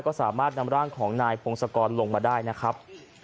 ก็สามารถนำร่างของนายพงศกรลงมาได้นะครับ